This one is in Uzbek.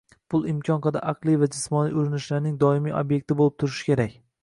pul imkon qadar aqliy va jismoniy urinishlarning doimiy obyekti bo‘lib turishi kerak.